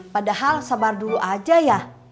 padahal sabar dulu aja ya